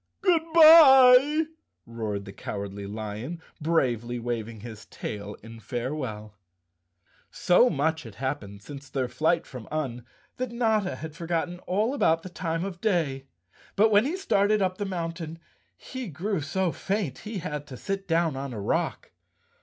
"Good bye!" roared the Cowardly Lion, bravely waving his tail in farewell. So much had happened since their flight from Un that Notta had forgotten all about the time of day, but when he started up the mountain, he grew so faint, he had to sit down on a rock.